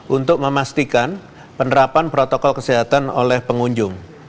untuk memastikan penerapan protokol kesehatan oleh pengunjung